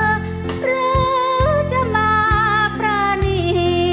ก็คนอย่างเธอหรือจะมาประณี